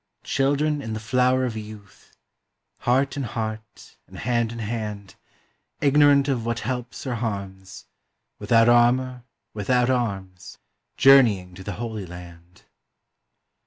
Children in the flower of youth, Heart in heart, and hand in hand, Ignorant of what helps or harms. Without armor, without arms, Journeying to the Holy Land!